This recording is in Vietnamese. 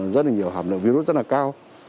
rất là nhiều hàm lượng virus rất là cao